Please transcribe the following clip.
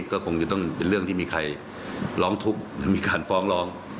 ก็คงจะต้องเป็นเรื่องที่มีใครร้องทุกข์หรือมีการฟ้องร้อง